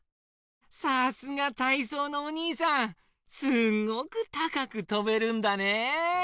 さすがたいそうのおにいさんすっごくたかくとべるんだね！